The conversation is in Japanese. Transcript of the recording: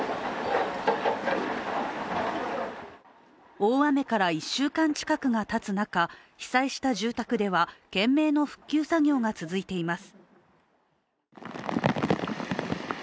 大雨から１週間近くがたつ中被災した住宅では懸命の復旧作業が続いています。